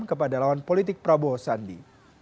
kepada lawan politik prabowo sandi